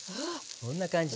こんな感じ。